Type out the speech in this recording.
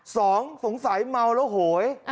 สองสงสัยเมาแล้วโหย